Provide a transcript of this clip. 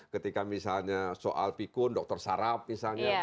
ketika misalnya soal pikun dokter sarap misalnya